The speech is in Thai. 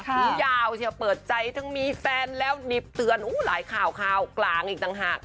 ถือยาวเชียวเปิดใจทั้งมีแฟนแล้วหนีบเตือนหลายข่าวข่าวกลางอีกต่างหาก